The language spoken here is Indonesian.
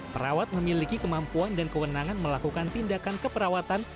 perawat memiliki kemampuan dan kewenangan melakukan tindakan keperawatan